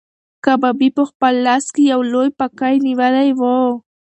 کبابي په خپل لاس کې یو لوی پکی نیولی و.